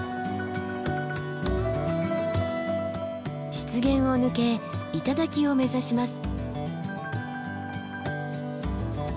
湿原を抜け頂を目指します。